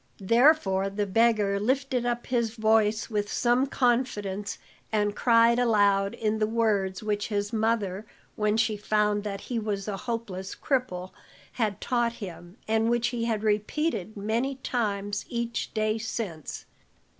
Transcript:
Therefore the beggar lifted up his voice with some confidence and cried aloud in the words which his mother when she found that he was a hopeless cripple had taught him, and which he had repeated many times each day since.